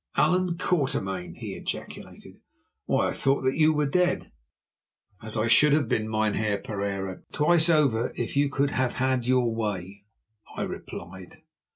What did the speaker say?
"Allan Quatermain!" he ejaculated. "Why, I thought that you were dead." "As I should have been, Mynheer Pereira, twice over if you could have had your way," I replied.